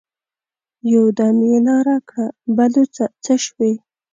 يودم يې ناره کړه: بلوڅه! څه شوې؟